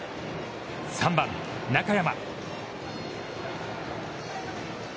３番中山。